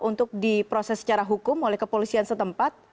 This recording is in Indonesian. untuk diproses secara hukum oleh kepolisian setempat